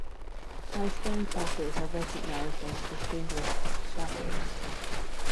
High scoring chapters are recognized as Distinguished Chapters.